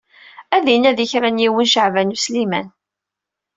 Ad d-inadi kra n yiwen Caɛban U Sliman.